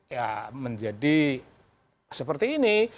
ya menjadi seperti ini